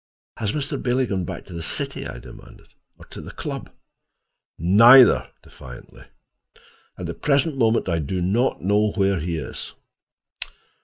"Has Mr. Bailey gone back to the city," I demanded, "or to the club?" "Neither," defiantly; "at the present moment I do not know where he is."